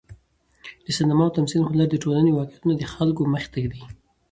د سینما او تمثیل هنر د ټولنې واقعیتونه د خلکو مخې ته ږدي.